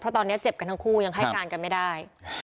ตอนนี้เจ็บกันทั้งคู่ยังให้การกันไม่ได้